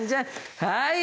はい。